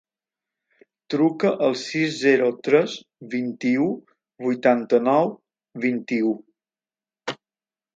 Truca al sis, zero, tres, vint-i-u, vuitanta-nou, vint-i-u.